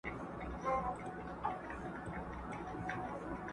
اره اره سي نجارانو ته ځي،